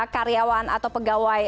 karyawan atau pegawai